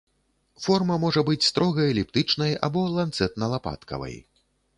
Форма можа быць строга эліптычнай або ланцэтна-лапаткавай.